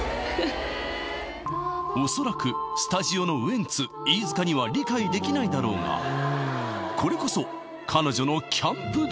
おそらくスタジオのウエンツ飯塚には理解できないだろうがこれこそ彼女のキャンプ道